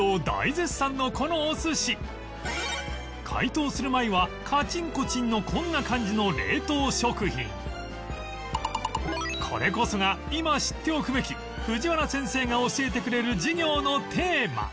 解凍する前はカチンコチンのこんな感じのこれこそが今知っておくべき藤原先生が教えてくれる授業のテーマ